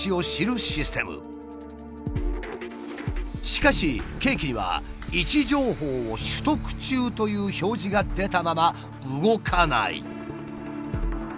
しかし計器には「位置情報を取得中」という表示が出たまま動かない。